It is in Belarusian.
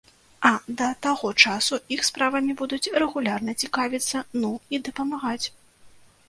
А да таго часу іх справамі будуць рэгулярна цікавіцца, ну і дапамагаць.